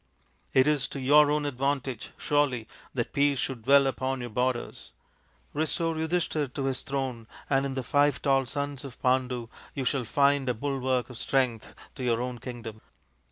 It is to your own advantage, surely, that peace should dwell upon your borders. Restore Yudhishthir to his throne, and in the five tall sons of Pandu you shall find a bulwark of strength to your own kingdom.